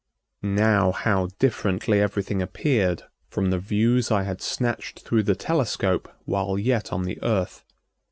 Now how differently everything appeared from the views I had snatched through the telescope while yet on the Earth.